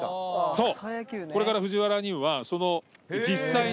そう。